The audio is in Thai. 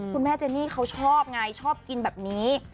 คุณแม่เจนี่เขาชอบไงชอบกินแบบนี้